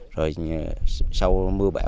rồi sau mưa bão